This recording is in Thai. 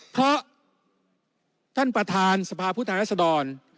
เพราะท่านประธานสภาพุทธนาศดรณ์